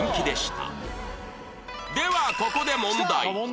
ではここで問題